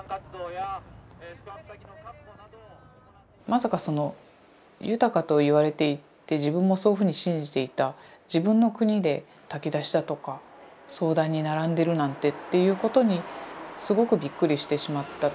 まさかその豊かと言われていて自分もそういうふうに信じていた自分の国で炊き出しだとか相談に並んでるなんてっていうことにすごくびっくりしてしまった。